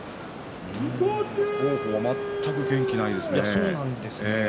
王鵬、全く元気がないですね。